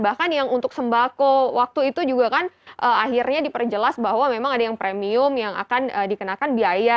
bahkan yang untuk sembako waktu itu juga kan akhirnya diperjelas bahwa memang ada yang premium yang akan dikenakan biaya